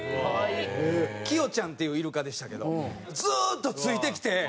キヨちゃんっていうイルカでしたけどずーっとついてきて。